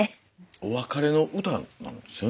お別れの歌なんですよね